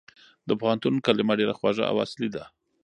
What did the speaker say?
د پوهنتون کلمه ډېره خوږه او اصلي ده.